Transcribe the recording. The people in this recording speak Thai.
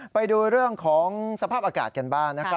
ไปดูเรื่องของสภาพอากาศกันบ้างนะครับ